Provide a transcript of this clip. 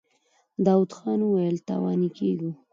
داوود خان وويل: تاواني کېږو.